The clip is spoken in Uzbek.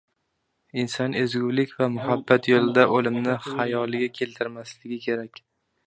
Inson ezgulik va muhabbat yo‘lida o‘limni xayoliga keltirmasligi kerak.